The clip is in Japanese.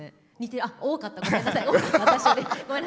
いや多かった、ごめんなさい。